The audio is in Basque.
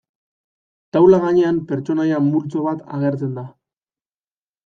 Taula gainean pertsonaia multzo bat agertzen da.